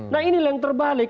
nah inilah yang terbalik